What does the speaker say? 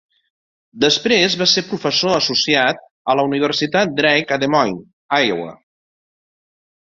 Després va ser professor associat a la Universitat Drake a Des Moines, Iowa.